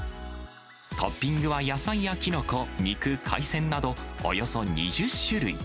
トッピングは野菜やキノコ、肉、海鮮など、およそ２０種類。